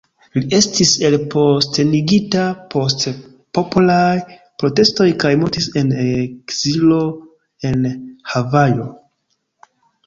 Li estis elpostenigita post popolaj protestoj kaj mortis en ekzilo en Havajo.